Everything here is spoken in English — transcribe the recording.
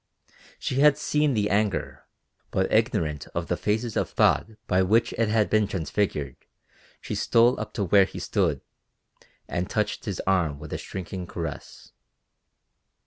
She had seen the anger, but ignorant of the phases of thought by which it had been transfigured she stole up to where he stood and touched his arm with a shrinking caress.